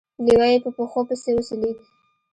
لېوه يې په پښو پسې وسولېد.